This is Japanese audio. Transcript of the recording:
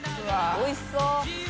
おいしそう。